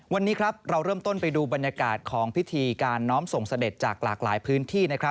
วันนี้ครับเราเริ่มต้นไปดูบรรยากาศของพิธีการน้อมส่งเสด็จจากหลากหลายพื้นที่